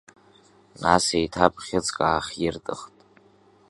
Нас еиҭа бӷьыцк аахиртыхт.